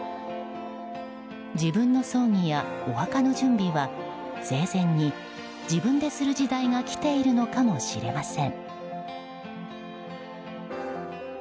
自分の葬儀やお墓の準備は生前に自分でする時代が来ているのかもしれません。